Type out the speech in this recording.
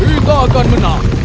kita akan menang